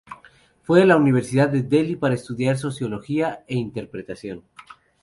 Fue a la Universidad de Delhi para estudiar Sociología e Interpretación.